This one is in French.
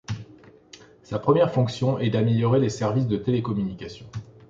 Sa première fonction est d'améliorer les services de télécommunications.